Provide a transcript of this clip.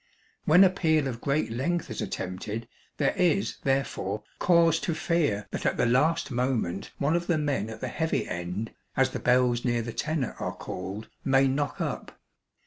When a peal of great length is attempted there is, therefore, cause to fear that at the last moment one of the men at the 'heavy end,' as the bells near the tenor are called, may knock up.